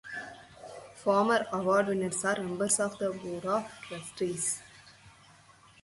Former award winners are members of the Board of Trustees.